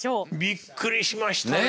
びっくりしましたね。